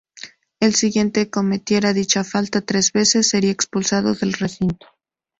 Si alguien cometiera dicha falta tres veces, sería expulsado del recinto.